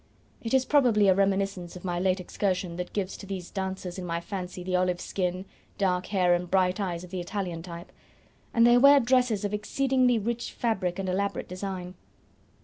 It is probably a reminiscence of my late excursion that gives to these dancers in my fancy the olive skin, dark hair, and bright eyes of the Italian type; and they wear dresses of exceedingly rich fabric and elaborate design.